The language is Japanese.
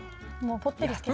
ぽってりつける。